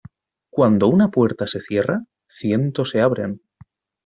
Cuando una puerta se cierra, ciento se abren.